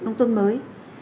nông thôn mới